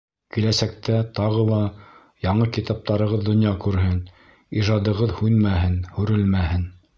Киләсәктә тағы ла яңы китаптарығыҙ донъя күрһен, ижадығыҙ һүнмәһен-һүрелмәһен!